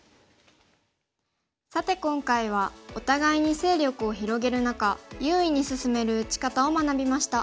さて今回はお互いに勢力を広げる中優位に進める打ち方を学びました。